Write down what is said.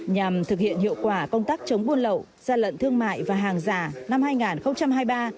nhằm thực hiện hiệu quả công tác chống buôn lậu gian lận thương mại và hàng giả năm hai nghìn hai mươi ba